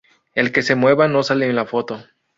El que se mueva no sale en la foto